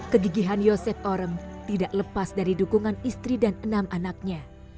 kegigihan yosef orem tidak lepas dari dukungan istri dan enam anaknya